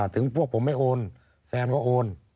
ถึงพวกผมไม่โอนแฟนก็โอน